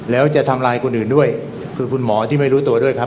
แล้วจะทำลายคนอื่นด้วยคือคุณหมอที่ไม่รู้ตัวด้วยครับ